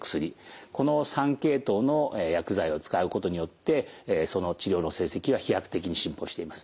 この３系統の薬剤を使うことによってその治療の成績は飛躍的に進歩しています。